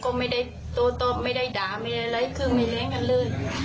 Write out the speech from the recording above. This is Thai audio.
ก็ไม่ได้ตัวตอบไม่ได้ด่ายังไงคือ